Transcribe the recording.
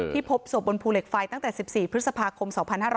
พบศพบนภูเหล็กไฟตั้งแต่๑๔พฤษภาคม๒๕๕๙